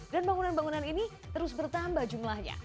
dan bangunan bangunan ini terus bertambah jumlahnya